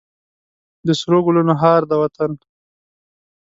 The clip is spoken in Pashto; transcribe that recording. د سرو ګلونو هار دی وطن.